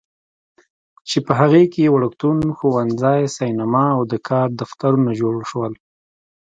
چې په هغې کې وړکتون، ښوونځی، سینما او د کار دفترونه جوړ شول.